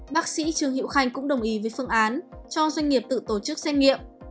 bác sĩ trương hữu khanh cũng đồng ý với phương án cho doanh nghiệp tự tổ chức xét nghiệm